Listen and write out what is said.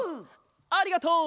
ありがとう！